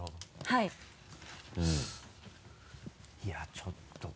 いやちょっと。